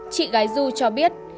chị gái du cho biết